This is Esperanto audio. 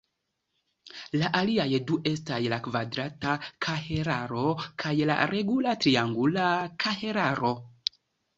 La aliaj du estas la kvadrata kahelaro kaj la regula triangula kahelaro.